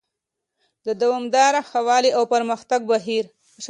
د دوامداره ښه والي او پرمختګ بهیر: